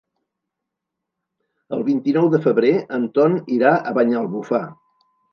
El vint-i-nou de febrer en Ton irà a Banyalbufar.